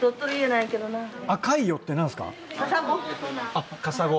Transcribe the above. あっカサゴ。